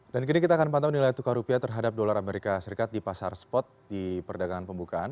dan kini kita akan pantau nilai tukar rupiah terhadap dolar amerika serikat di pasar spot di perdagangan pembukaan